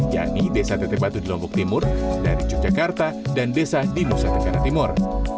yakni desa teteh batu di lombok timur dari yogyakarta dan desa di nusa tenggara timur